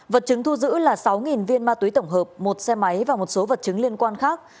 vật chứng thu giữ là sáu viên ma túy tổng hợp một xe máy và một số vật chứng liên quan khác